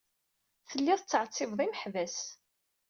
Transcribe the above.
Tellid tettɛettibed imeḥbas.